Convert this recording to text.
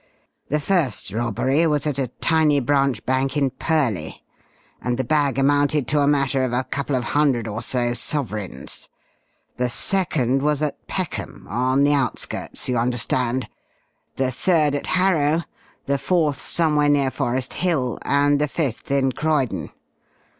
The first robbery was at a tiny branch bank in Purley, and the bag amounted to a matter of a couple of hundred or so sovereigns; the second was at Peckham on the outskirts, you understand; the third at Harrow; the fourth somewhere near Forest Hill, and the fifth in Croydon.